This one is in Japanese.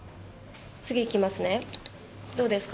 次いきますねどうですか？